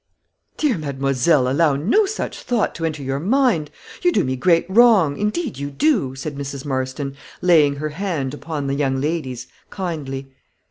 "Dear mademoiselle, allow no such thought to enter your mind. You do me great wrong, indeed you do," said Mrs. Marston, laying her hand upon the young lady's, kindly.